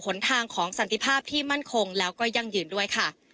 นทางของสันติภาพที่มั่นคงแล้วก็ยั่งยืนด้วยค่ะ